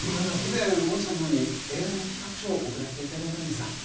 以前御社のほうに映画の企画書を送らせていただいたんですが。